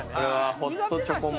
ホットチョコモモ。